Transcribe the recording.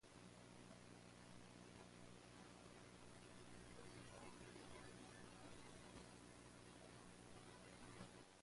Production was headed by series producer Hideo Yoshizawa and Yasuhito Nagaoka.